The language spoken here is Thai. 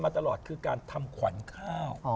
ตลอดคือการทำขวัญข้าว